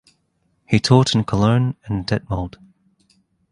He taught in Cologne and Detmold.